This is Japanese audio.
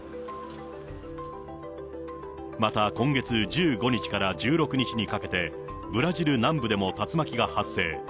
また今月１５日から１６日にかけて、ブラジル南部でも竜巻が発生。